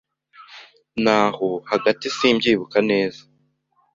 ni aho hagatisimbyibuka neza